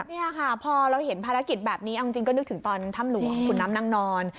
นี่ค่ะพอเราเห็นภารกิจแบบนี้เอาจริงก็นึกถึงตอนถ้ำหลวงขุนน้ำนางนอน